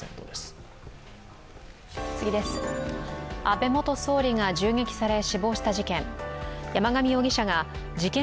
安倍元総理が銃撃され死亡した事件。